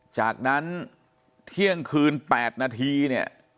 จากนั้นเที่ยงคืน๘นาทีเนี่ย